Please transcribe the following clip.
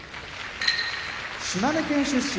島根県出身